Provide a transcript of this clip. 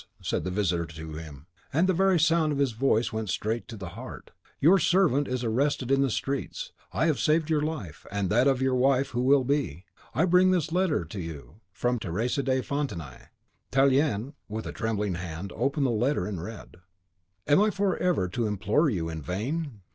said the visitor to him, and the very sound of his voice went straight to the heart, "your servant is arrested in the streets. I have saved your life, and that of your wife who will be. I bring to you this letter from Teresa de Fontenai." Tallien, with a trembling hand, opened the letter, and read, "Am I forever to implore you in vain?